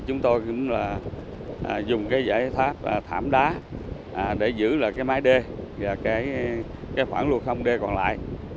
chúng tôi dùng giải tháp thảm đá để giữ lại mái đê và khoảng lùa không đê còn lại